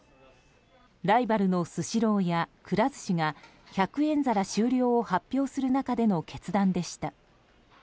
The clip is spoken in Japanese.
ライバルのスシローやくら寿司が１００円皿終了を発表する中での決断でした。